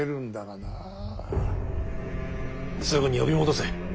すぐに呼び戻せ。